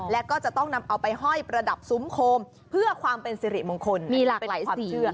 แล้วก็จะต้องนำเอาไปห้อยประดับซุ้มโคมเพื่อความเป็นสิริมงคลมีหลากหลายความเชื่อ